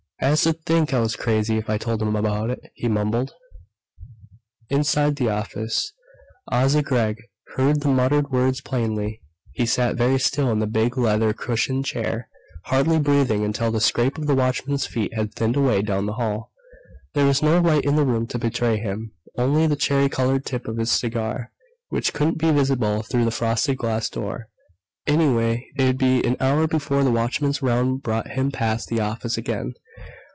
"Asa 'd think I was crazy, if I told him about it," he mumbled. Inside the office, Asa Gregg heard the muttered words plainly. He sat very still in the big, leather cushioned chair, hardly breathing until the scrape of the watchman's feet had thinned away down the hall. There was no light in the room to betray him; only the cherry colored tip of his cigar, which couldn't be visible through the frosted glass door. Anyway, it'd be an hour before the watchman's round brought him past the office again.